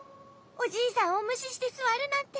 おじいさんをむししてすわるなんて。